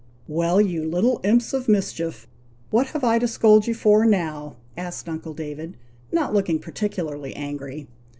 "Well, you little imps of mischief! what have I to scold you for now?" asked uncle David, not looking particularly angry.